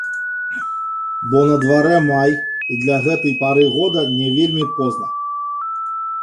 Бо на дварэ май, і для гэтай пары года не вельмі позна.